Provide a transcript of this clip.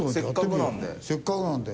せっかくなんで。